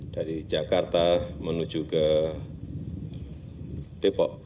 dari jakarta menuju ke depok